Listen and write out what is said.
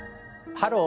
「ハロー！